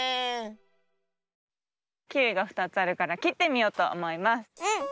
キウイが２つあるからきってみようとおもいます。